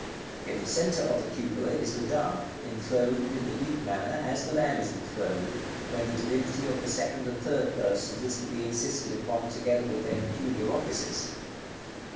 In the centre of the cupola is the Dove, enthroned in the Greek manner, as the Lamb is enthroned, when the Divinity of the Second and Third Persons is to be insisted upon together with their peculiar offices.